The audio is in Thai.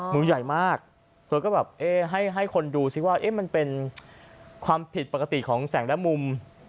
มือใหญ่มากเธอก็แบบเอ๊ะให้คนดูซิว่ามันเป็นความผิดปกติของแสงและมุม